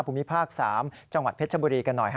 ภูมิภาค๓จังหวัดเพชรบุรีกันหน่อย